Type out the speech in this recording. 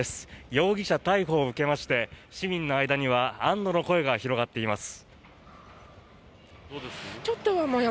容疑者逮捕を受けまして市民の間には安どの声が広がっています。